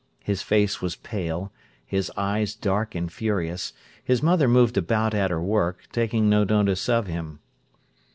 His face was pale, his eyes dark and furious. His mother moved about at her work, taking no notice of him.